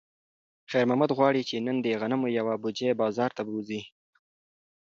خیر محمد غواړي چې نن د غنمو یوه بوجۍ بازار ته بوځي.